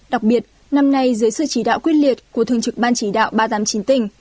đặc biệt năm nay dưới sự chỉ đạo quyết liệt của thường trực ban chỉ đạo ba trăm tám mươi chín tỉnh